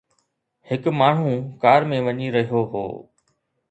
هڪ ماڻهو ڪار ۾ وڃي رهيو هو